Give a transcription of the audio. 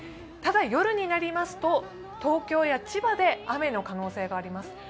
ただ夜になりますと東京や千葉で雨の可能性があります。